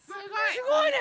すごいね。